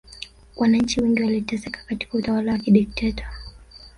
wananchi wengi waliteseka katika utawala wa kidikteta